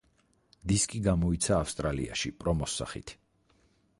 დისკი გამოიცა ავსტრალიაში, პრომოს სახით.